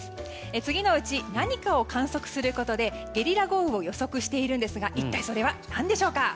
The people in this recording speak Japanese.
次のうち、何かを観測することでゲリラ豪雨を予測しているんですが一体、それは何でしょうか。